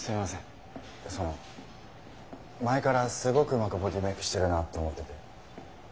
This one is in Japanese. その前からすごくうまくボディーメークしてるなと思ってて。